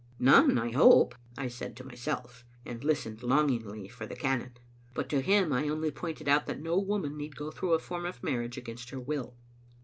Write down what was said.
"None, I hope," I said to myself, and listened long ingly for the cannon. But to him I only pointed out that no woman need go through a form of marriage against her will.